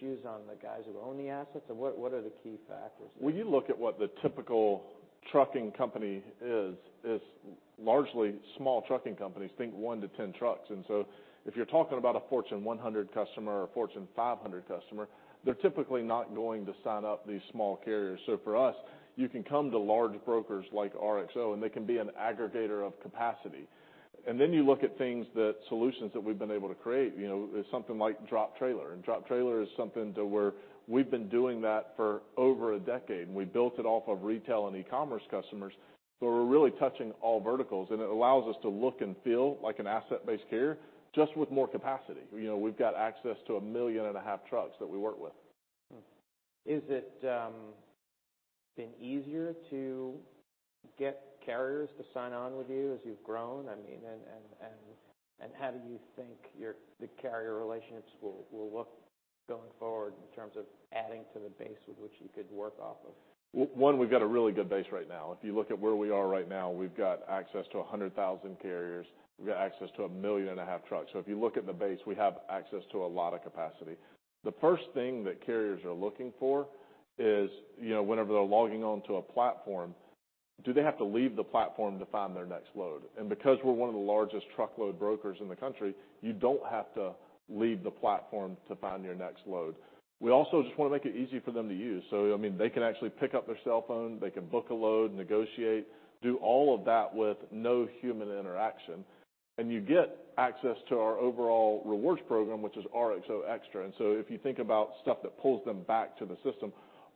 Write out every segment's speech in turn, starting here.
Shoes on the guys who own the assets? What are the key factors there? When you look at what the typical trucking company is, largely small trucking companies. Think one to 10 trucks. If you're talking about a Fortune 100 customer or a Fortune 500 customer, they're typically not going to sign up these small carriers. For us, you can come to large brokers like RXO, and they can be an aggregator of capacity. Then you look at things that solutions that we've been able to create, you know, is something like drop trailer. Drop trailer is something to where we've been doing that for over a decade, and we built it off of retail and e-commerce customers. We're really touching all verticals, and it allows us to look and feel like an asset-based carrier, just with more capacity. You know, we've got access to 1.5 million trucks that we work with. Is it been easier to get carriers to sign on with you as you've grown? I mean, how do you think the carrier relationships will look going forward in terms of adding to the base with which you could work off of? We've got a really good base right now. If you look at where we are right now, we've got access to 100,000 carriers. We've got access to 1.5 million trucks. If you look at the base, we have access to a lot of capacity. The first thing that carriers are looking for is, you know, whenever they're logging on to a platform, do they have to leave the platform to find their next load? Because we're one of the largest truckload brokers in the country, you don't have to leave the platform to find your next load. We also just wanna make it easy for them to use. I mean, they can actually pick up their cell phone, they can book a load, negotiate, do all of that with no human interaction. You get access to our overall rewards program, which is RXO Extra. If you think about stuff that pulls them back to the system,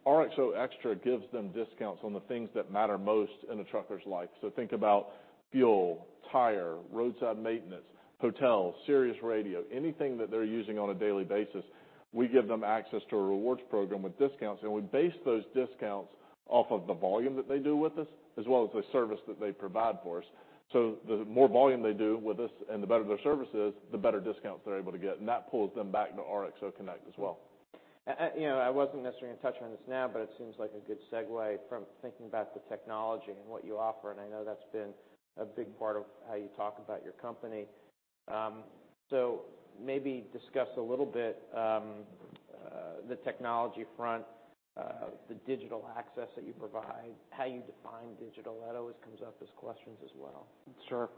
RXO Extra gives them discounts on the things that matter most in a trucker's life. Think about fuel, tire, roadside maintenance, hotels, Sirius Radio, anything that they're using on a daily basis, we give them access to a rewards program with discounts, and we base those discounts off of the volume that they do with us, as well as the service that they provide for us. The more volume they do with us and the better their service is, the better discounts they're able to get, and that pulls them back to RXO Connect as well. you know, I wasn't necessarily gonna touch on this now, but it seems like a good segue from thinking about the technology and what you offer, and I know that's been a big part of how you talk about your company. Maybe discuss a little bit, the technology front, the digital access that you provide, how you define digital. That always comes up as questions as well. Sure.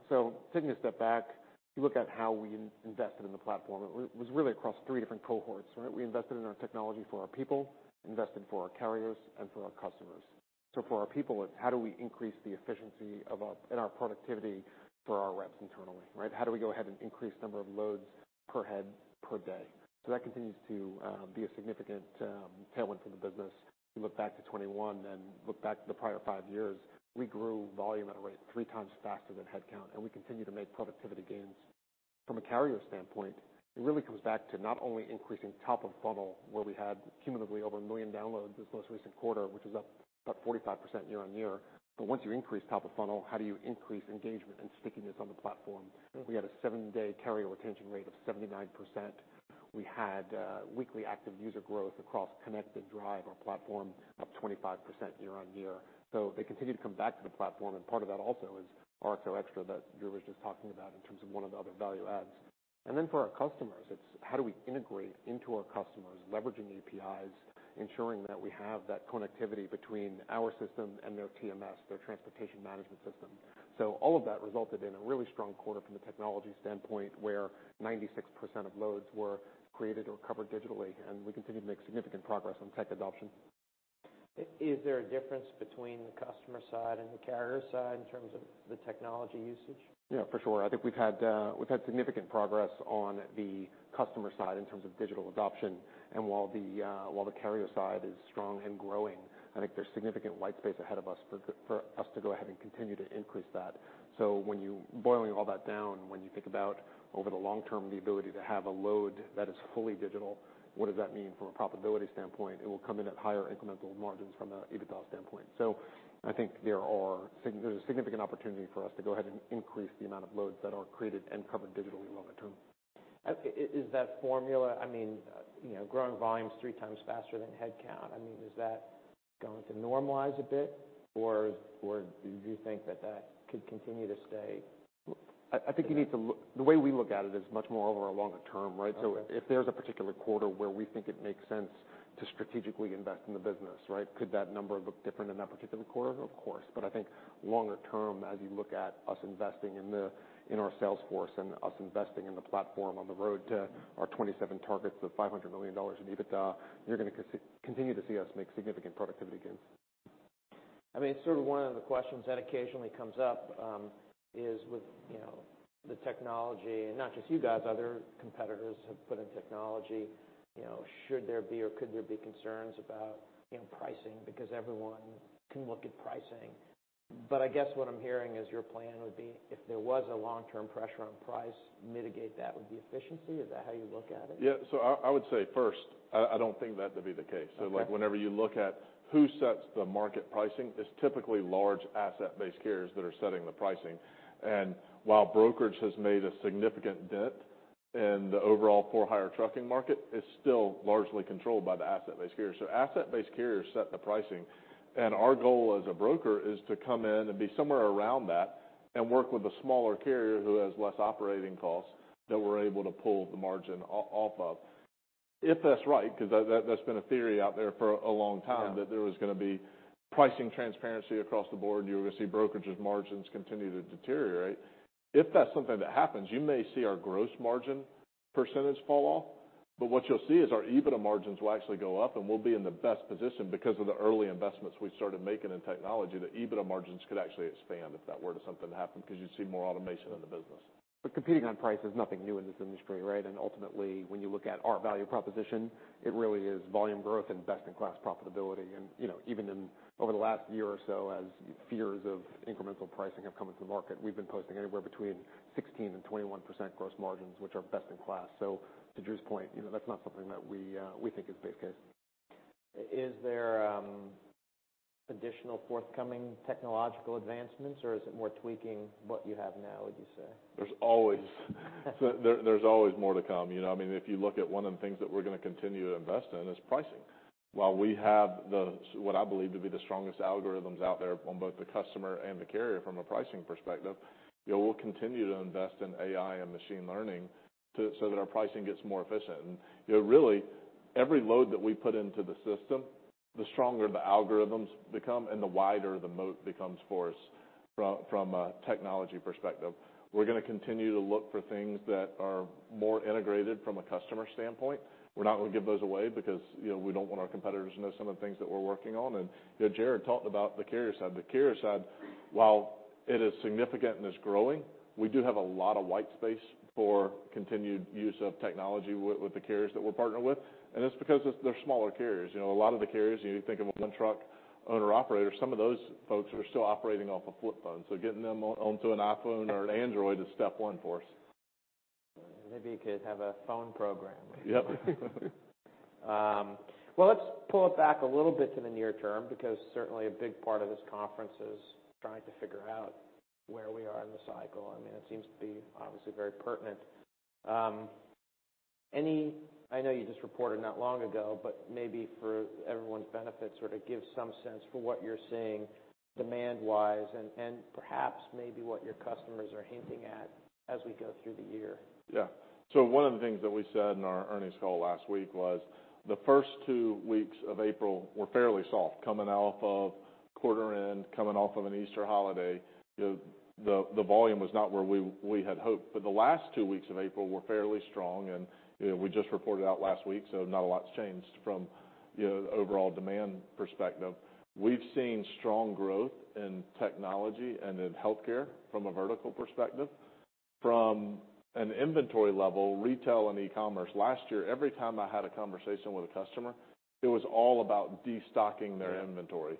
Taking a step back, if you look at how we invested in the platform, it was really across three different cohorts. We invested in our technology for our people, invested for our carriers, and for our customers. For our people, it's how do we increase the efficiency and our productivity for our reps internally, right? How do we go ahead and increase number of loads per head per day? That continues to be a significant tailwind for the business. You look back to 2021 and look back to the prior five years, we grew volume at a rate 3 times faster than headcount, and we continue to make productivity gains. From a carrier standpoint, it really comes back to not only increasing top of funnel, where we had cumulatively over one million downloads this most recent quarter, which is up about 45% year-on-year. Once you increase top of funnel, how do you increase engagement and stickiness on the platform? We had a seven-day carrier retention rate of 79%. We had weekly active user growth across Connect and Drive, our platform, up 25% year-on-year. They continue to come back to the platform, and part of that also is RXO Extra that Drew was just talking about in terms of one of the other value adds. Then for our customers, it's how do we integrate into our customers, leveraging APIs, ensuring that we have that connectivity between our system and their TMS, their transportation management system. All of that resulted in a really strong quarter from the technology standpoint, where 96% of loads were created or covered digitally, and we continue to make significant progress on tech adoption. Is there a difference between the customer side and the carrier side in terms of the technology usage? Yeah, for sure. I think we've had significant progress on the customer side in terms of digital adoption. While the carrier side is strong and growing, I think there's significant white space ahead of us for us to go ahead and continue to increase that. When you boiling all that down, when you think about over the long term, the ability to have a load that is fully digital, what does that mean from a profitability standpoint? It will come in at higher incremental margins from a EBITDA standpoint. I think there's a significant opportunity for us to go ahead and increase the amount of loads that are created and covered digitally longer term. Okay. Is that formula, I mean, you know, growing volumes 3 times faster than headcount, I mean, is that going to normalize a bit or do you think that that could continue to stay? I think the way we look at it is much more over a longer term, right? Okay. If there's a particular quarter where we think it makes sense to strategically invest in the business, right, could that number look different in that particular quarter? Of course. I think longer term, as you look at us investing in our sales force and us investing in the platform on the road to our 2027 targets of $500 million in EBITDA, you're gonna continue to see us make significant productivity gains. I mean, sort of one of the questions that occasionally comes up, is with, you know, the technology, and not just you guys, other competitors have put in technology. You know, should there be or could there be concerns about, you know, pricing? Because everyone can look at pricing. I guess what I'm hearing is your plan would be if there was a long-term pressure on price, mitigate that with the efficiency. Is that how you look at it? Yeah. I would say, first, I don't think that to be the case. Okay. Like, whenever you look at who sets the market pricing, it's typically large asset-based carriers that are setting the pricing. While brokerage has made a significant dent in the overall for-hire trucking market, it's still largely controlled by the asset-based carriers. Asset-based carriers set the pricing, and our goal as a broker is to come in and be somewhere around that and work with a smaller carrier who has less operating costs that we're able to pull the margin off of. If that's right, 'cause that's been a theory out there for a long time. Yeah There was gonna be pricing transparency across the board, you were gonna see brokerages margins continue to deteriorate. If that's something that happens, you may see our gross margin % fall off, but what you'll see is our EBITDA margins will actually go up, and we'll be in the best position because of the early investments we started making in technology, the EBITDA margins could actually expand if that were to something to happen because you'd see more automation in the business. Competing on price is nothing new in this industry, right? Ultimately, when you look at our value proposition, it really is volume growth and best-in-class profitability. You know, over the last year or so, as fears of incremental pricing have come into the market, we've been posting anywhere between 16% and 21% gross margins, which are best in class. To Drew's point, you know, that's not something that we we think is base case. Is there additional forthcoming technological advancements, or is it more tweaking what you have now, would you say? There's always there's always more to come. You know what I mean? If you look at one of the things that we're gonna continue to invest in is pricing. While we have the, what I believe to be the strongest algorithms out there on both the customer and the carrier from a pricing perspective, you know, we'll continue to invest in AI and machine learning so that our pricing gets more efficient. You know, really, every load that we put into the system, the stronger the algorithms become and the wider the moat becomes for us from a technology perspective. We're gonna continue to look for things that are more integrated from a customer standpoint. We're not gonna give those away because, you know, we don't want our competitors to know some of the things that we're working on. You know, Jared talked about the carrier side. The carrier side, while it is significant and it's growing, we do have a lot of white space for continued use of technology with the carriers that we're partnered with, and it's because they're smaller carriers. You know, a lot of the carriers, you think of a one truck owner-operator, some of those folks are still operating off a flip phone. Getting them on, onto an iPhone or an Android is step one for us. Maybe you could have a phone program. Yep. Well, let's pull it back a little bit to the near term because certainly a big part of this conference is trying to figure out where we are in the cycle. I mean, it seems to be obviously very pertinent. I know you just reported not long ago, but maybe for everyone's benefit, sort of give some sense for what you're seeing demand-wise and perhaps maybe what your customers are hinting at as we go through the year. Yeah. One of the things that we said in our earnings call last week was the first two weeks of April were fairly soft coming off of quarter end, coming off of an Easter holiday. The volume was not where we had hoped. The last two weeks of April were fairly strong, and, you know, we just reported out last week, so not a lot's changed from, you know, the overall demand perspective. We've seen strong growth in technology and in healthcare from a vertical perspective. From an inventory level, retail and e-commerce last year, every time I had a conversation with a customer, it was all about destocking their inventory.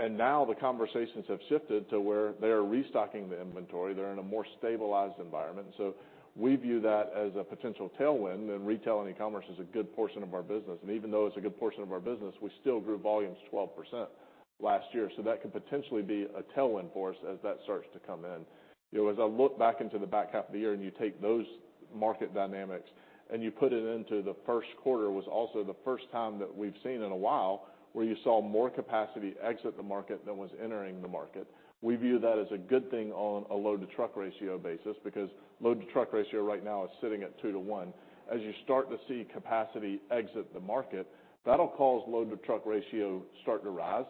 Now the conversations have shifted to where they are restocking the inventory. They're in a more stabilized environment. We view that as a potential tailwind, and retail and e-commerce is a good portion of our business. Even though it's a good portion of our business, we still grew volumes 12% last year. That could potentially be a tailwind for us as that starts to come in. You know, as I look back into the back half of the year and you take those market dynamics and you put it into the first quarter, was also the first time that we've seen in a while where you saw more capacity exit the market than was entering the market. We view that as a good thing on a load-to-truck ratio basis because load-to-truck ratio right now is sitting at two to one. As you start to see capacity exit the market, that'll cause load-to-truck ratio start to rise.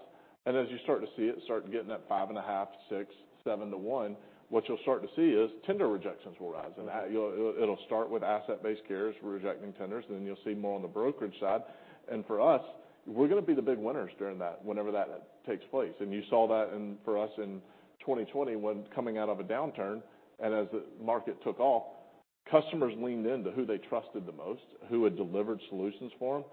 As you start to see it start getting at 5.5, six, seven to one, what you'll start to see is tender rejections will rise. It'll start with asset-based carriers rejecting tenders, and then you'll see more on the brokerage side. For us, we're gonna be the big winners during that, whenever that takes place. You saw that in for us in 2020 when coming out of a downturn, and as the market took off, customers leaned into who they trusted the most, who had delivered solutions for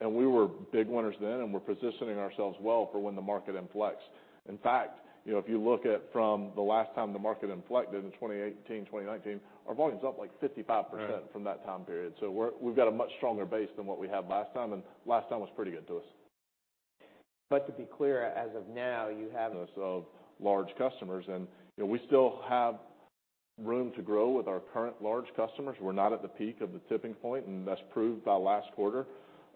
them. We were big winners then, and we're positioning ourselves well for when the market inflects. In fact, you know, if you look at from the last time the market inflected in 2018, 2019, our volume's up, like, 55% from that time period. We've got a much stronger base than what we had last time, and last time was pretty good to us. To be clear, as of now. Large customers. You know, we still have room to grow with our current large customers. We're not at the peak of the tipping point, and that's proved by last quarter.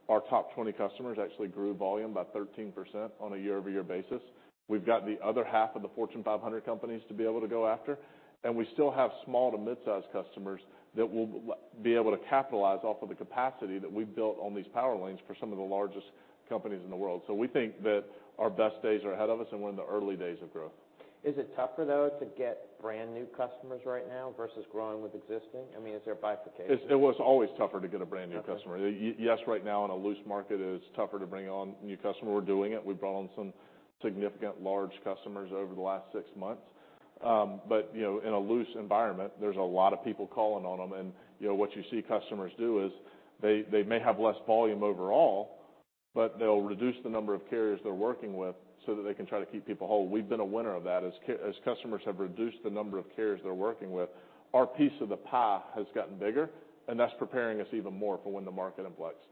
Our top 20 customers actually grew volume by 13% on a year-over-year basis. We've got the other half of the Fortune 500 companies to be able to go after, and we still have small to midsize customers that we'll be able to capitalize off of the capacity that we've built on these power lanes for some of the largest companies in the world. We think that our best days are ahead of us, and we're in the early days of growth. Is it tougher, though, to get brand-new customers right now versus growing with existing? I mean, is there a bifurcation? It was always tougher to get a brand-new customer. Okay. Yes, right now, in a loose market, it is tougher to bring on new customer. We're doing it. We've brought on some significant large customers over the last six months. You know, in a loose environment, there's a lot of people calling on them. You know, what you see customers do is they may have less volume overall, but they'll reduce the number of carriers they're working with so that they can try to keep people whole. We've been a winner of that. As customers have reduced the number of carriers they're working with, our piece of the pie has gotten bigger, and that's preparing us even more for when the market inflects.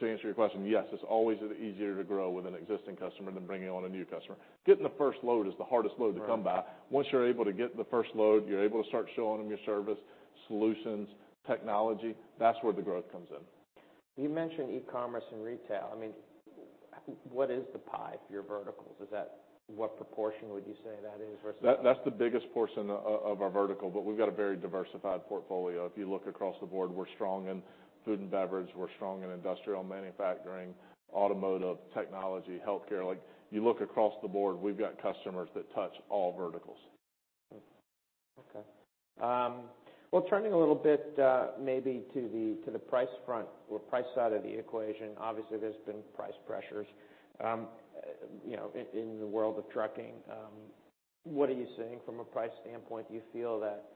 To answer your question, yes, it's always easier to grow with an existing customer than bringing on a new customer. Getting the first load is the hardest load to come by. Once you're able to get the first load, you're able to start showing them your service, solutions, technology, that's where the growth comes in. You mentioned e-commerce and retail. I mean, what is the pie for your verticals? Is that, what proportion would you say that is versus? That's the biggest portion of our vertical. We've got a very diversified portfolio. If you look across the board, we're strong in food and beverage, we're strong in industrial manufacturing, automotive, technology, healthcare. Like, you look across the board, we've got customers that touch all verticals. Well, turning a little bit maybe to the price front or price side of the equation. Obviously, there's been price pressures, you know, in the world of trucking. What are you seeing from a price standpoint? Do you feel that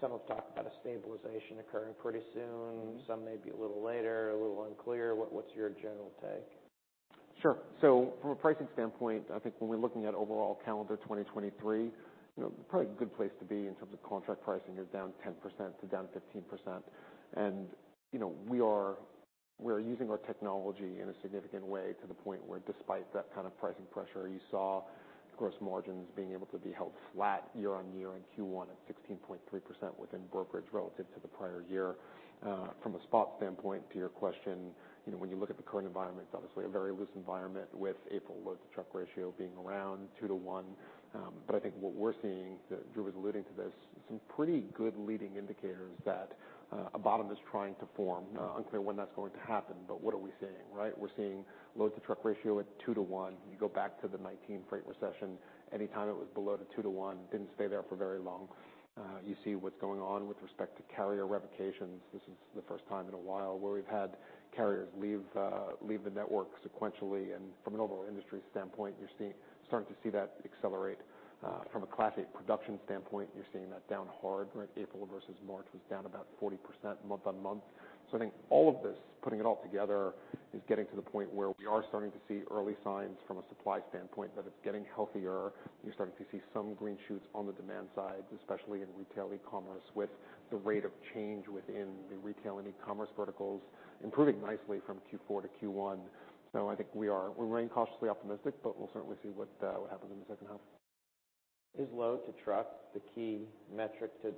some have talked about a stabilization occurring pretty soon, some may be a little later, a little unclear? What's your general take? Sure. From a pricing standpoint, I think when we're looking at overall calendar 2023, you know, probably a good place to be in terms of contract pricing. You're down 10%-15%. You know, we are using our technology in a significant way to the point where despite that kind of pricing pressure, you saw gross margins being able to be held flat year-on-year in Q1 at 16.3% within brokerage relative to the prior year. From a spot standpoint, to your question, you know, when you look at the current environment, it's obviously a very loose environment with April load-to-truck ratio being around 2:1. I think what we're seeing, that Drew was alluding to this, some pretty good leading indicators that a bottom is trying to form. Unclear when that's going to happen, but what are we seeing, right? We're seeing load-to-truck ratio at two to one. You go back to the 2019 freight recession, anytime it was below the two to one, didn't stay there for very long. You see what's going on with respect to carrier revocations. This is the first time in a while where we've had carriers leave the network sequentially. From an overall industry standpoint, you're starting to see that accelerate. From a capacity production standpoint, you're seeing that down hard, right? April versus March was down about 40% month-on-month. I think all of this, putting it all together, is getting to the point where we are starting to see early signs from a supply standpoint that it's getting healthier. You're starting to see some green shoots on the demand side, especially in retail e-commerce, with the rate of change within the retail and e-commerce verticals improving nicely from Q4 to Q1. I think we remain cautiously optimistic, but we'll certainly see what happens in the second half. Is load to truck the key metric to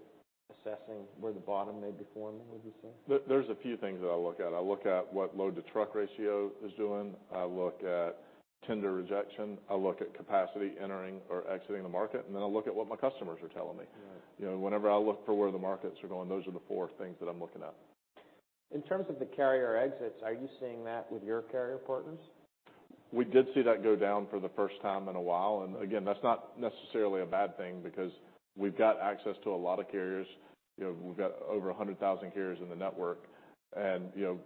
assessing where the bottom may be forming, would you say? There's a few things that I look at. I look at what load-to-truck ratio is doing, I look at tender rejection, I look at capacity entering or exiting the market, and then I look at what my customers are telling me. Right. You know, whenever I look for where the markets are going, those are the four things that I'm looking at. In terms of the carrier exits, are you seeing that with your carrier partners? We did see that go down for the first time in a while. Again, that's not necessarily a bad thing because we've got access to a lot of carriers. You know, we've got over 100,000 carriers in the network. You know,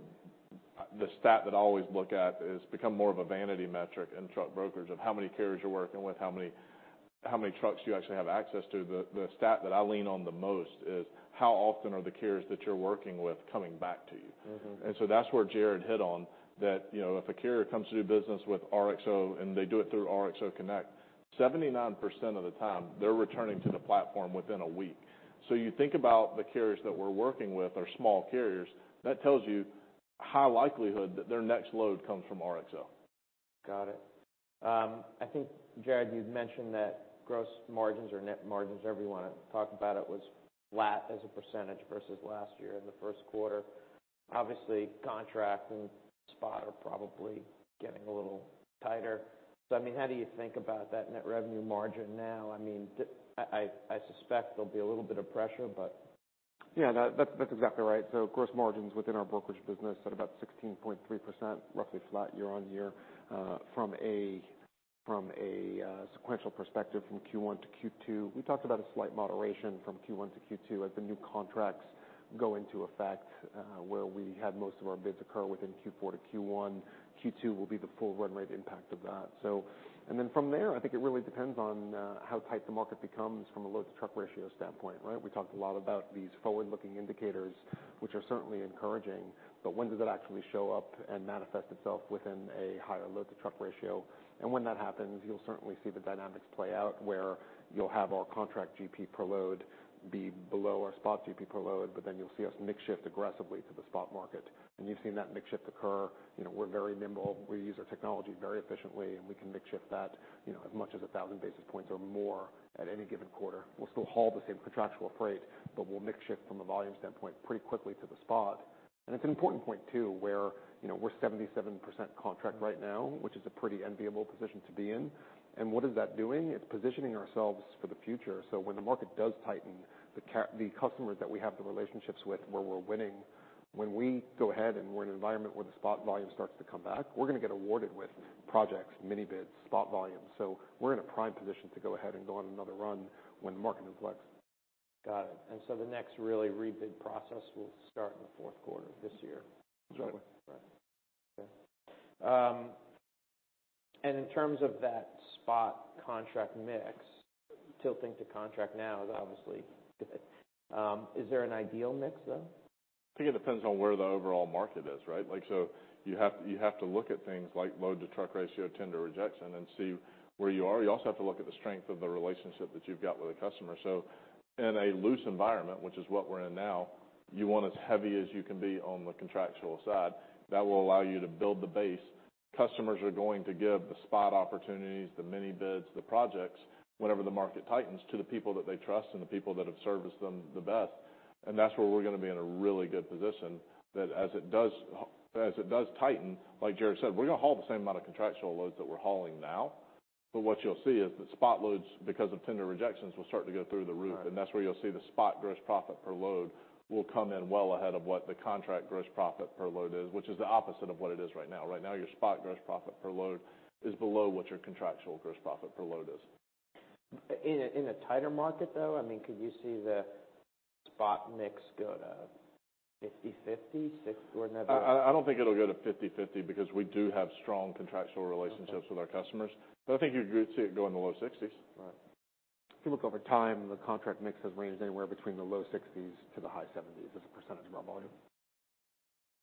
the stat that I always look at has become more of a vanity metric in truck brokers of how many carriers you're working with, how many trucks do you actually have access to. The stat that I lean on the most is how often are the carriers that you're working with coming back to you. Mm-hmm. That's where Jared hit on, that, you know, if a carrier comes to do business with RXO and they do it through RXO Connect, 79% of the time, they're returning to the platform within a week. You think about the carriers that we're working with are small carriers, that tells you high likelihood that their next load comes from RXO. Got it. I think, Jared, you'd mentioned that gross margins or net margins, however you wanna talk about it, was flat as a percentage versus last year in the first quarter. Obviously, contract and spot are probably getting a little tighter. I mean, how do you think about that net revenue margin now? I mean, I suspect there'll be a little bit of pressure, but... Yeah, that's exactly right. Gross margins within our brokerage business at about 16.3%, roughly flat year-on-year. From a sequential perspective from Q1 to Q2, we talked about a slight moderation from Q1 to Q2 as the new contracts go into effect, where we had most of our bids occur within Q4 to Q1. Q2 will be the full run rate impact of that. From there, I think it really depends on how tight the market becomes from a load-to-truck ratio standpoint, right? We talked a lot about these forward-looking indicators, which are certainly encouraging, but when does it actually show up and manifest itself within a higher load-to-truck ratio? When that happens, you'll certainly see the dynamics play out, where you'll have our contract GP per load be below our spot GP per load, but then you'll see us mix shift aggressively to the spot market. You've seen that mix shift occur. You know, we're very nimble. We use our technology very efficiently, and we can mix shift that, you know, as much as 1,000 basis points or more at any given quarter. We'll still haul the same contractual freight, but we'll mix shift from a volume standpoint pretty quickly to the spot. It's an important point too, where, you know, we're 77% contract right now, which is a pretty enviable position to be in. What is that doing? It's positioning ourselves for the future, when the market does tighten, the customers that we have the relationships with, where we're winning, when we go ahead and we're in an environment where the spot volume starts to come back, we're gonna get awarded with projects, mini bids, spot volumes. We're in a prime position to go ahead and go on another run when the market inflects. Got it. The next really rebid process will start in the fourth quarter this year. That's right. Okay. In terms of that spot contract mix, tilting to contract now is obviously good. Is there an ideal mix, though? I think it depends on where the overall market is, right? Like, you have to look at things like load-to-truck ratio, tender rejection, and see where you are. You also have to look at the strength of the relationship that you've got with a customer. In a loose environment, which is what we're in now, you want as heavy as you can be on the contractual side. That will allow you to build the base. Customers are going to give the spot opportunities, the mini bids, the projects, whenever the market tightens, to the people that they trust and the people that have serviced them the best. That's where we're gonna be in a really good position that as it does tighten, like Jared said, we're gonna haul the same amount of contractual loads that we're hauling now. What you'll see is that spot loads, because of tender rejections, will start to go through the roof. Right. That's where you'll see the spot gross profit per load will come in well ahead of what the contract gross profit per load is, which is the opposite of what it is right now. Right now, your spot gross profit per load is below what your contractual gross profit per load is. In a tighter market, though, I mean, could you see the spot mix go to 50/50, six or never? I don't think it'll go to 50/50 because we do have strong contractual relationships. Okay. with our customers, but I think you'd good see it go in the low 60s. Right. If you look over time, the contract mix has ranged anywhere between the low 60s to the high 70s as a % of our volume.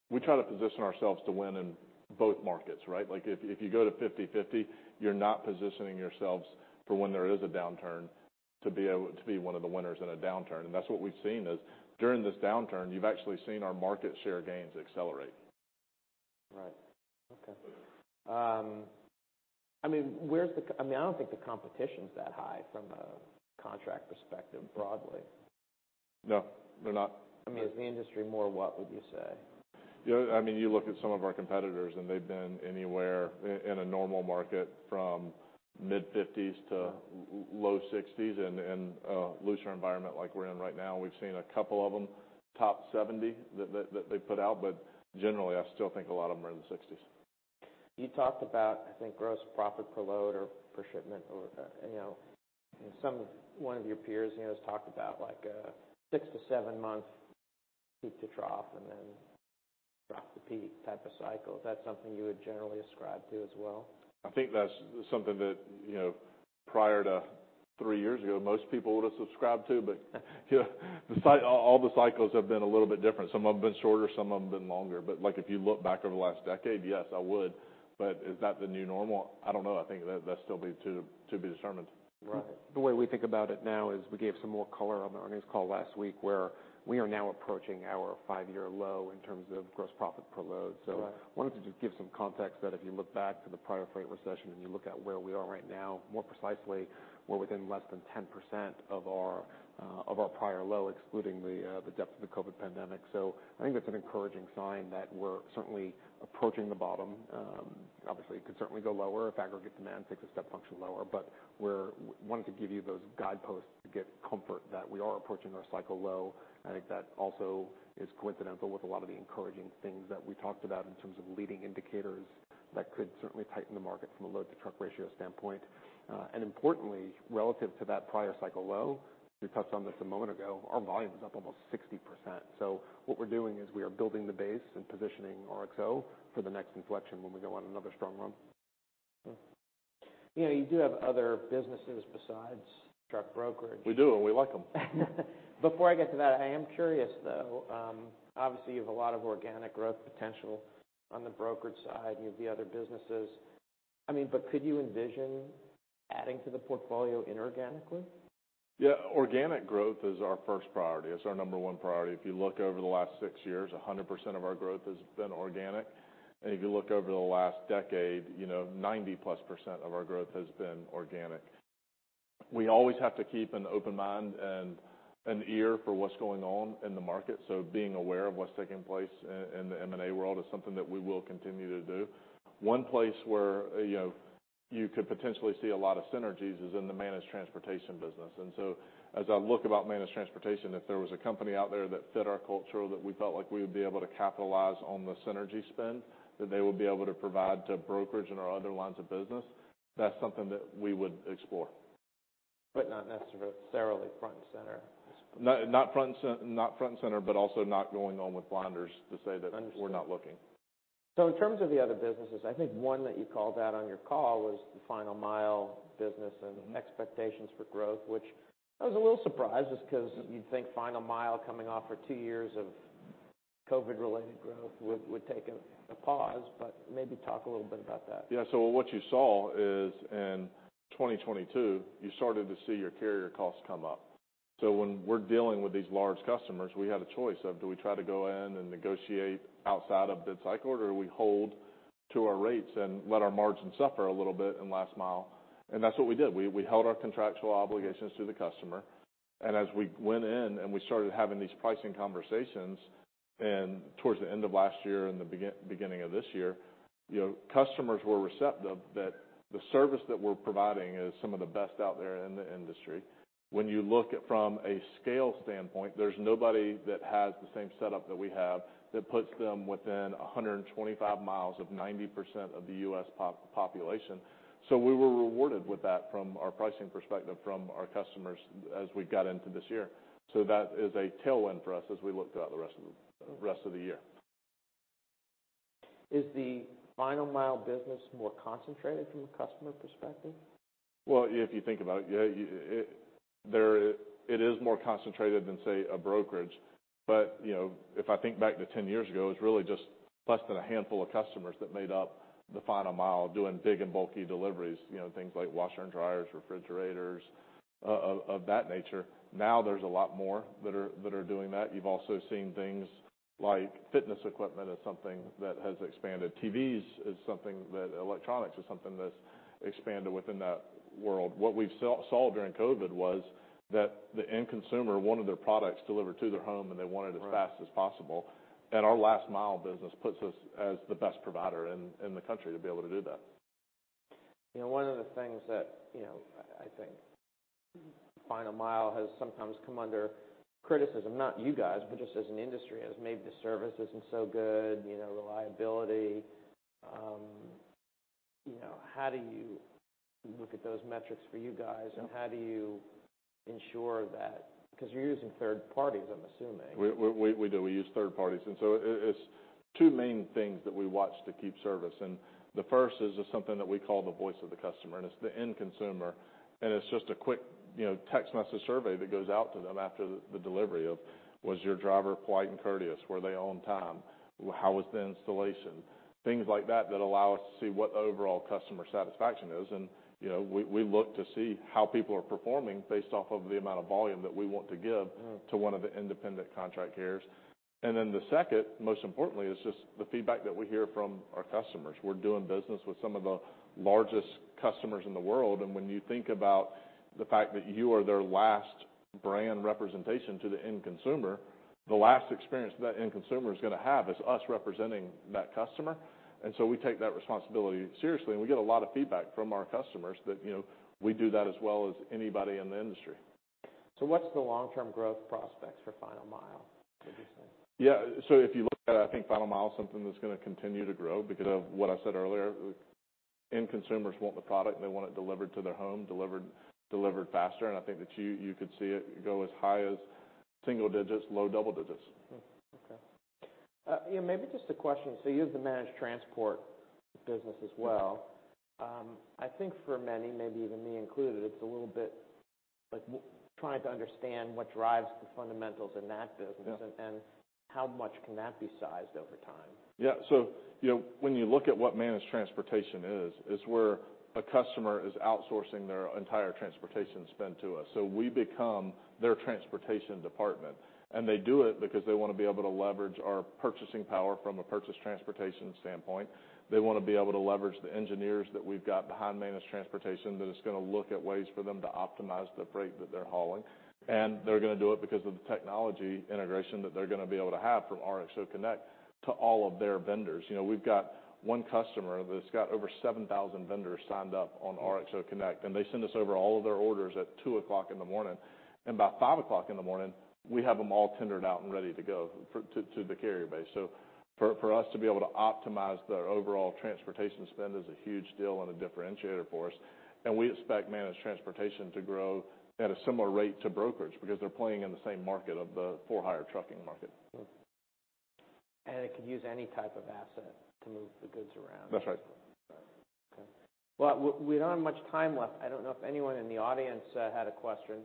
We try to position ourselves to win in both markets, right? Like, if you go to 50/50, you're not positioning yourselves for when there is a downturn, to be able to be one of the winners in a downturn. That's what we've seen is during this downturn, you've actually seen our market share gains accelerate. Right. Okay. I mean, I don't think the competition's that high from a contract perspective, broadly. No, they're not. I mean, is the industry more what, would you say? You know, I mean, you look at some of our competitors, they've been anywhere in a normal market from mid-50s to low 60s. In a looser environment like we're in right now, we've seen a couple of them top 70 that they put out, but generally, I still think a lot of them are in the 60s. You talked about, I think, gross profit per load or per shipment or, you know, some... One of your peers, you know, has talked about like a six-seven month peak to drop and then drop to peak type of cycle. Is that something you would generally describe to as well? I think that's something that, you know, prior to three years ago, most people would have subscribed to. You know, all the cycles have been a little bit different. Some of them have been shorter, some of them have been longer. Like, if you look back over the last decade, yes, I would. Is that the new normal? I don't know. I think that's still be to be determined. Right. The way we think about it now is we gave some more color on the earnings call last week, where we are now approaching our five-year low in terms of gross profit per load. Right. I wanted to just give some context that if you look back to the prior freight recession and you look at where we are right now, more precisely, we're within less than 10% of our of our prior low, excluding the depth of the COVID pandemic. I think that's an encouraging sign that we're certainly approaching the bottom. Obviously, it could certainly go lower if aggregate demand takes a step function lower. We're wanting to give you those guideposts to get comfort that we are approaching our cycle low. I think that also is coincidental with a lot of the encouraging things that we talked about in terms of leading indicators that could certainly tighten the market from a load-to-truck ratio standpoint. Importantly, relative to that prior cycle low, we touched on this a moment ago, our volume is up almost 60%. What we're doing is we are building the base and positioning RXO for the next inflection when we go on another strong run. You know, you do have other businesses besides truck brokerage. We do. We like them. Before I get to that, I am curious, though, obviously, you have a lot of organic growth potential on the brokerage side and you have the other businesses. I mean, could you envision adding to the portfolio inorganically? Yeah. Organic growth is our first priority. It's our number one priority. If you look over the last six years, 100% of our growth has been organic. If you look over the last decade, you know, 90%+ of our growth has been organic. We always have to keep an open mind and an ear for what's going on in the market, being aware of what's taking place in the M&A world is something that we will continue to do. One place where, you know, you could potentially see a lot of synergies is in the managed transportation business. As I look about managed transportation, if there was a company out there that fit our culture, that we felt like we would be able to capitalize on the synergy spin, that they would be able to provide to brokerage and our other lines of business, that's something that we would explore. Not necessarily front and center. Not front and center, but also not going on with blinders to say that... Understood. We're not looking. In terms of the other businesses, I think one that you called out on your call was the final mile business and expectations for growth, which I was a little surprised just 'cause you'd think final mile coming off for two years of COVID-related growth would take a pause, but maybe talk a little bit about that. Yeah. What you saw is in 2022, you started to see your carrier costs come up. When we're dealing with these large customers, we had a choice of, do we try to go in and negotiate outside of bid cycle, or do we hold to our rates and let our margin suffer a little bit in last mile? That's what we did. We held our contractual obligations to the customer. As we went in and we started having these pricing conversations, and towards the end of last year and the beginning of this year, you know, customers were receptive that the service that we're providing is some of the best out there in the industry. When you look from a scale standpoint, there's nobody that has the same setup that we have that puts them within 125 miles of 90% of the U.S. population. We were rewarded with that from our pricing perspective from our customers as we got into this year. That is a tailwind for us as we look throughout the rest of the year. Is the final mile business more concentrated from a customer perspective? Well, if you think about it, yeah, it is more concentrated than, say, a brokerage. You know, if I think back to 10 years ago, it was really just less than a handful of customers that made up the final mile doing big and bulky deliveries, you know, things like washer and dryers, refrigerators, of that nature. Now there's a lot more that are doing that. You've also seen things like fitness equipment is something that has expanded. TVs is something that Electronics is something that's expanded within that world. What we saw during COVID was that the end consumer wanted their products delivered to their home, and they want it as fast as possible. Our last mile business puts us as the best provider in the country to be able to do that. You know, one of the things that, you know, I think final mile has sometimes come under criticism, not you guys, but just as an industry, as maybe the service isn't so good, you know, reliability. You know, how do you look at those metrics for you guys? Yeah. how do you ensure Because you're using third parties, I'm assuming? We do. We use third parties, it's two main things that we watch to keep service. The first is just something that we call the voice of the customer, and it's the end consumer. It's just a quick, you know, text message survey that goes out to them after the delivery of was your driver polite and courteous? Were they on time? How was the installation? Things like that allow us to see what the overall customer satisfaction is. You know, we look to see how people are performing based off of the amount of volume that we want to give- Mm-hmm ...to one of the independent contract carriers. The second, most importantly, is just the feedback that we hear from our customers. We're doing business with some of the largest customers in the world, and when you think about the fact that you are their last brand representation to the end consumer, the last experience that end consumer is gonna have is us representing that customer. And so we take that responsibility seriously, and we get a lot of feedback from our customers that, you know, we do that as well as anybody in the industry. What's the long-term growth prospects for final mile, would you say? Yeah. If you look at it, I think final mile is something that's gonna continue to grow because of what I said earlier. End consumers want the product, and they want it delivered to their home, delivered faster. I think that you could see it go as high as single digits, low double digits. Okay. You know, maybe just a question. You have the managed transport business as well. I think for many, maybe even me included, it's a little bit like trying to understand what drives the fundamentals in that business. Yeah. How much can that be sized over time? Yeah. You know, when you look at what managed transportation is, it's where a customer is outsourcing their entire transportation spend to us. We become their transportation department. They do it because they wanna be able to leverage our purchasing power from a purchase transportation standpoint. They wanna be able to leverage the engineers that we've got behind managed transportation, that it's gonna look at ways for them to optimize the freight that they're hauling. They're gonna do it because of the technology integration that they're gonna be able to have from RXO Connect to all of their vendors. You know, we've got one customer that's got over 7,000 vendors signed up on RXO Connect, and they send us over all of their orders at 2:00 in the morning. By 5:00 A.M. in the morning, we have them all tendered out and ready to go to the carrier base. For us to be able to optimize their overall managed transportation spend is a huge deal and a differentiator for us. We expect managed transportation to grow at a similar rate to brokerage because they're playing in the same market of the for-hire trucking market. It could use any type of asset to move the goods around. That's right. Okay. Well, we don't have much time left. I don't know if anyone in the audience had a question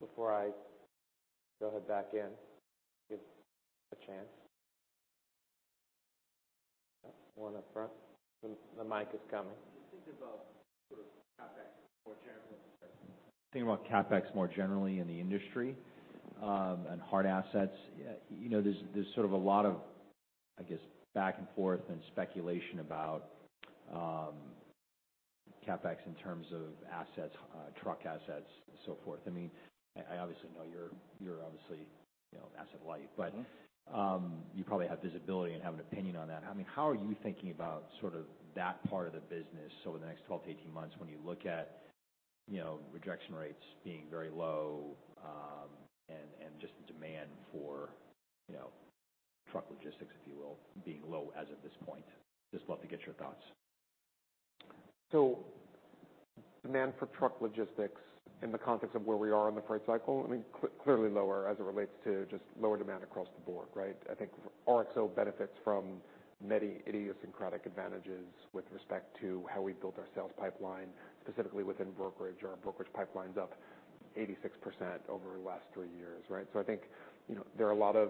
before I go head back in. Give a chance. One up front. The mic is coming. When you think about sort of CapEx more generally, I'm thinking about CapEx more generally in the industry, and hard assets. You know, there's sort of a lot of, I guess, back and forth and speculation about CapEx in terms of assets, truck assets and so forth. I mean, I obviously know you're obviously, you know, asset light, but- Mm-hmm ...you probably have visibility and have an opinion on that. I mean, how are you thinking about sort of that part of the business over the next 12 to 18 months when you look at, you know, rejection rates being very low, and just the demand for, you know, truck logistics, if you will, being low as of this point? Just love to get your thoughts. Demand for truck logistics in the context of where we are in the freight cycle, I mean, clearly lower as it relates to just lower demand across the board, right? I think RXO benefits from many idiosyncratic advantages with respect to how we've built our sales pipeline, specifically within brokerage. Our brokerage pipeline's up 86% over the last three years, right? I think, you know, there are a lot of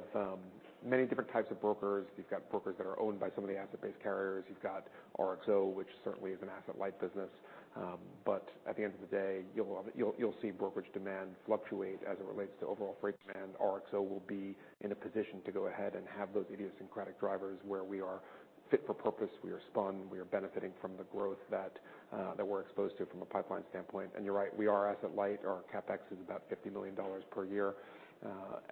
many different types of brokers. You've got brokers that are owned by some of the asset-based carriers. You've got RXO, which certainly is an asset-light business. But at the end of the day, you'll see brokerage demand fluctuate as it relates to overall freight demand. RXO will be in a position to go ahead and have those idiosyncratic drivers where we are fit for purpose, we are spun, we are benefiting from the growth that we're exposed to from a pipeline standpoint. You're right, we are asset light. Our CapEx is about $50 million per year,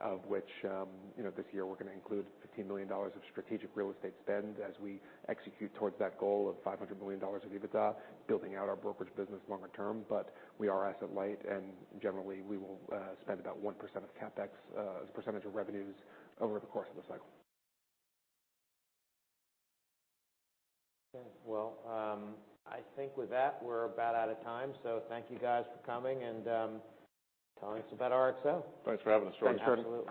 of which, you know, this year we're gonna include $15 million of strategic real estate spend as we execute towards that goal of $500 million of EBITDA, building out our brokerage business longer term. We are asset light, and generally, we will spend about 1% of CapEx as a percentage of revenues over the course of the cycle. Okay. Well, I think with that, we're about out of time. Thank you guys for coming and telling us about RXO. Thanks for having us. Absolutely.